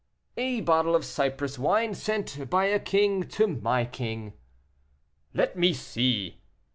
"A bottle of Cyprus wine sent by a king to my king." "Let me see!"